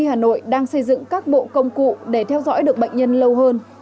hà nội đang xây dựng các bộ công cụ để theo dõi được bệnh nhân lâu hơn